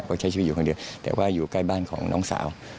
ก็ใช้ชีวิตอยู่คนเดียวแต่ว่าอยู่ใกล้บ้านของน้องสาว